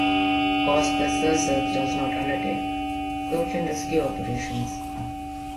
Cospas-Sarsat does not undertake search-and-rescue operations.